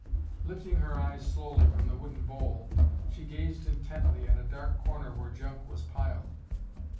Lifting her eyes slowly from the wooden bowl, she gazed intently at a dark corner where junk was piled.